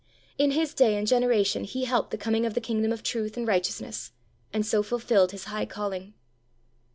In his day and generation he helped the coming of the kingdom of truth and righteousness, and so fulfilled his high calling.